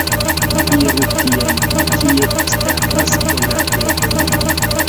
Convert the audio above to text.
Iru tien, kie staras ponardegoj!